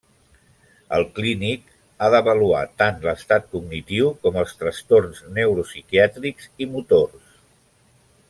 El clínic ha d'avaluar tant l'estat cognitiu com els trastorns neuropsiquiàtrics i motors.